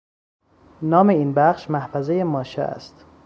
نام این بخش، محفظه ماشه است